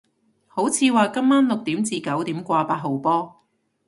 好似話今晚六點至九點掛八號波